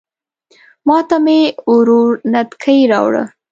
ماته مې ورور نتکۍ راوړه